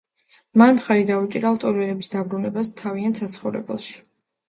მან მხარი დაუჭირა ლტოლვილების დაბრუნებას თავიანთ საცხოვრებელში.